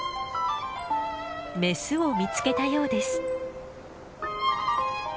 メスを見つけたようです。